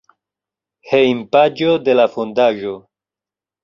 Hejmpaĝo de la fondaĵo.